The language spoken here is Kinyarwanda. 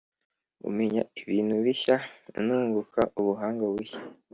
Umenya ibintu bishya ununguka ubuhanga bushya